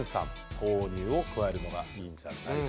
豆乳を加えるのがいいんじゃないか。